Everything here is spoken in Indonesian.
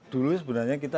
dulu sebenarnya kita